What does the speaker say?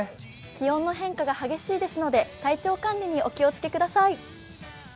気温の変化が激しいですので、体調管理にお気をつけください。